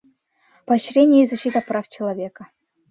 Поощрение и защита прав человека.